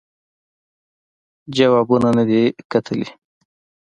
اگه جوابونه ندي کتلي.